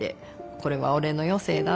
「これは俺の余生だ」って。